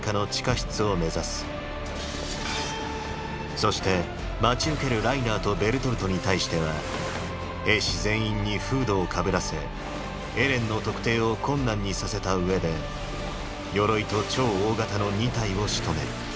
そして待ち受けるライナーとベルトルトに対しては兵士全員にフードをかぶらせエレンの特定を困難にさせたうえで鎧と超大型の二体を仕留める。